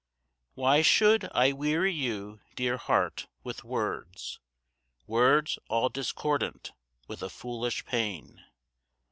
Why should I weary you, dear heart, with words, Words all discordant with a foolish pain?